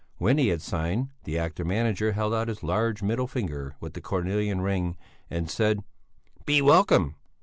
When he had signed the actor manager held out his large middle finger with the cornelian ring, and said: "Be welcome!"